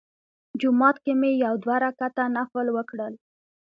جومات کې مې یو دوه رکعته نفل وکړل.